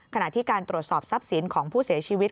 ขณะที่การตรวจสอบทรัพย์สินของผู้เสียชีวิต